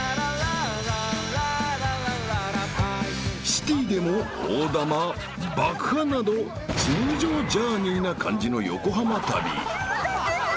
［シティでも大玉爆破など通常ジャーニーな感じの横浜旅］